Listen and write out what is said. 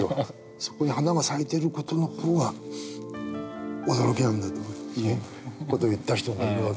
そこに花が咲いてる事の方が驚きなんだという事を言った人がいる訳。